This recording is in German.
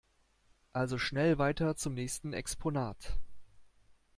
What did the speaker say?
Also schnell weiter zum nächsten Exponat!